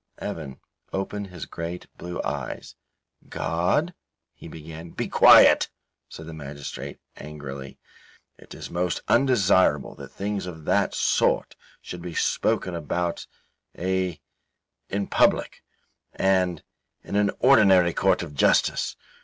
Evan opened his great, blue eyes; "God," he began. "Be quiet," said the magistrate, angrily, "it is most undesirable that things of that sort should be spoken about a in public, and in an ordinary Court of Justice.